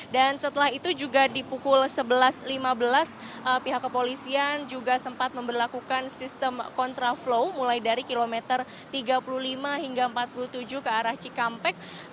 dan setelah itu juga di pukul sebelas lima belas pihak kepolisian juga sempat memperlakukan sistem kontra flow mulai dari kilometer tiga puluh lima hingga empat puluh tujuh ke arah cikampek